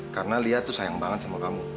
karena lia tuh sayang banget sama kamu